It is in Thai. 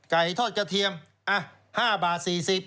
ไก่ทอดกระเทียม๕๔๐บาท